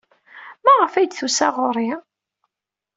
Maɣef ay d-tusa ɣer-i?